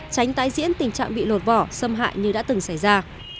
tránh tái diễn tình trạng bị lột vỏ xâm hại như đã từng xảy ra